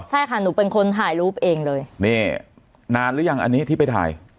ใช่ค่ะหนูเป็นคนถ่ายรูปเองเลยนี่นานหรือยังอันนี้ที่ไปถ่าย